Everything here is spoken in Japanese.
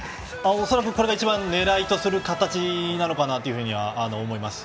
恐らくこれが一番狙いとする形だと思います。